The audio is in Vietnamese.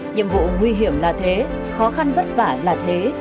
nhiệm vụ nguy hiểm là thế khó khăn vất vả là thế